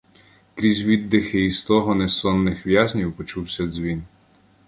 Крізь віддихи і стогони сонних в'язнів почувся дзвін.